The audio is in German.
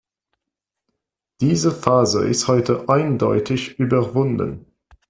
Diese Phase ist heute eindeutig überwunden.